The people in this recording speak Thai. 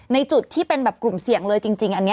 ในจุดที่เป็นแบบกลุ่มเสี่ยงเลยจริงอันนี้